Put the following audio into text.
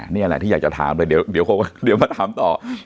นี่แหละที่อยากจะถามเลยเดี๋ยวมาถามต่อ